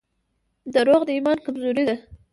• دروغ د ایمان کمزوري ده.